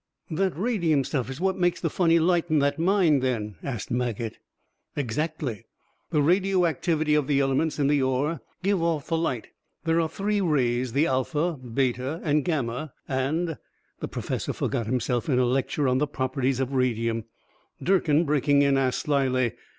"That radium stuff is what makes the funny light in that mine, then?" asked Maget. "Exactly. The radio activity of the elements in the ore give off the light. There are three rays, the alpha, beta and gamma, and " The professor forgot himself in a lecture on the properties of radium. Durkin, breaking in, asked, slyly.